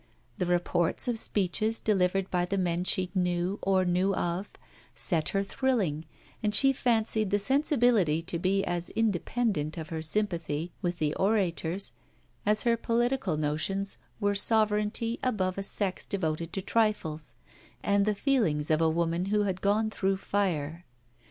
The reports of speeches delivered by the men she knew or knew of, set her thrilling; and she fancied the sensibility to be as independent of her sympathy with the orators as her political notions were sovereignty above a sex devoted to trifles, and the feelings of a woman who had gone through fire.